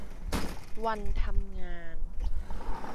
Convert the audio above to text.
วันทำงาน